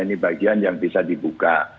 ini bagian yang bisa dibuka